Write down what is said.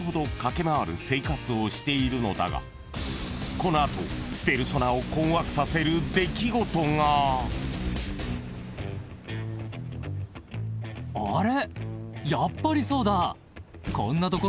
［この後ペルソナを困惑させる出来事が］あれ。